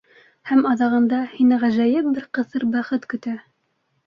Һәм аҙағында һине ғәжәйеп бер ҡыҫыр бәхет көтә.